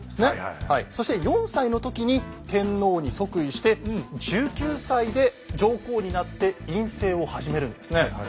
そして４歳の時に天皇に即位して１９歳で上皇になって院政を始めるんですね。